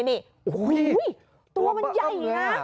นี่ล่ะค่ะคุณผู้ชม